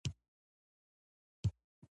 ټول د نجیب ننداره کوي.